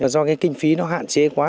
do cái kinh phí nó hạn chế quá